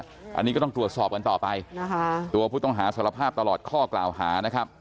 อันนี้ก็ต้องตรวจสอบกันต่อไปนะคะตัวผู้ต้องหาสารภาพตลอดข้อกล่าวหานะครับ